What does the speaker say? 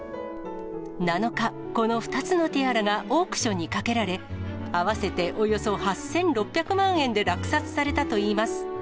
７日、この２つのティアラがオークションにかけられ、合わせておよそ８６００万円で落札されたといいます。